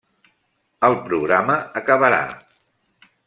El programa acabarà.